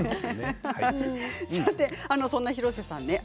そんな広瀬さん